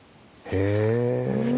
へえ。